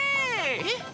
えっ？